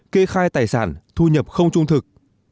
kê khai tài sản thu nhập không trung thực